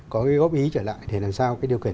có cái góp ý trở lại để làm sao cái điều kiện